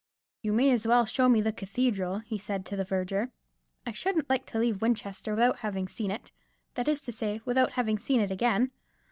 "You may as well show me the cathedral," he said to the verger; "I shouldn't like to leave Winchester without having seen it; that is to say without having seen it again.